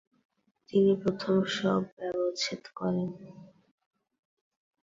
তিনি প্রথম শব ব্যবচ্ছেদ করেন।